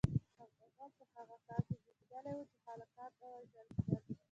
هغه په هغه کال کې زیږیدلی و چې هلکان نه وژل کېدل.